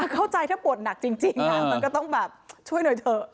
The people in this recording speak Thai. เข้าใจถ้าปวดหนักจริงมันก็ต้องแบบช่วยหน่อยเถอะ